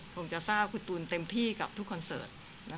ผมจะทราบคุณตูนเต็มที่กับทุกคอนเสิร์ต